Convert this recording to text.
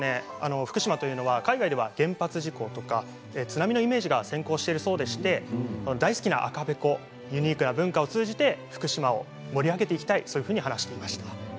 福島というのは海外では原発事故とか津波のイメージが先行しているそうでして大好きな赤べこ、ユニークな文化を通じて福島を盛り上げていずれ